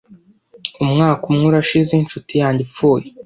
Umwaka umwe urashize inshuti yanjye ipfuye.